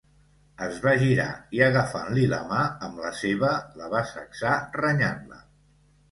Es va girar, i agafant-li la mà amb la seva, la va sacsar renyant-la.